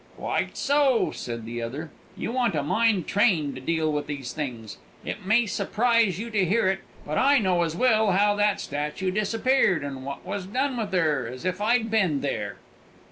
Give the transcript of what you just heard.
"Quite so," said the other; "you want a mind trained to deal with these things. It may surprise you to hear it, but I know as well how that statue disappeared, and what was done with her, as if I'd been there!"